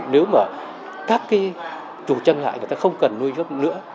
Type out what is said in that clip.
nếu mà các chủ trang ngại người ta không cần nuôi nhốt nữa